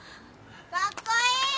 ・かっこいい！